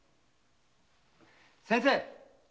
・先生！